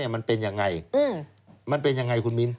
มันเป็นยังไงมันเป็นยังไงคุณมิ้น